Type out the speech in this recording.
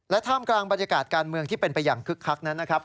ท่ามกลางบรรยากาศการเมืองที่เป็นไปอย่างคึกคักนั้นนะครับ